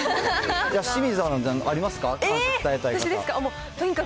清水アナ、ありますか？